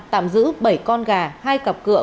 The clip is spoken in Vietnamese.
tạm giữ bảy con gà hai cặp cửa